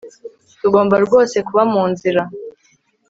Tugomba rwose kuba munzira